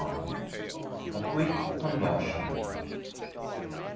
A QUICK CONVERSION.